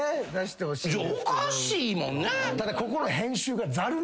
おかしいもんね。